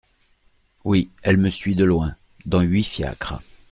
Oui… elle me suit de loin… dans huit fiacres…